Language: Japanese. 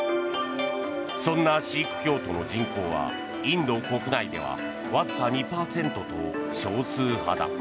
そんなシーク教徒の人口はインド国内ではわずか２％と少数派だ。